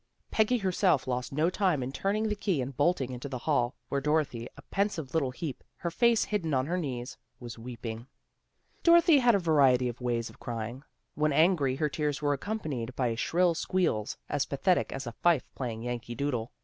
Peggy herself lost no time in turning the key and bolting into the hall, where Dorothy a pensive little heap, her face hidden on her knees, was weeping. 170 THE GIRLS OF FRIENDLY TERRACE Dorothy had a variety of ways of crying. When angry her tears were accompanied by shrill squeals, as pathetic as a fife playing Yankee Doodle.